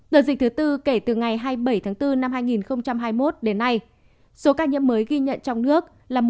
đợt dịch thứ tư kể từ ngày hai mươi bảy tháng bốn năm hai nghìn hai mươi một đến nay số ca nhiễm mới ghi nhận trong nước là một